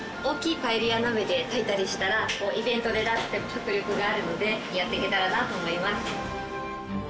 大きいパエリア鍋で炊いたりしたらイベントで出しても迫力があるのでやっていけたらなと思います。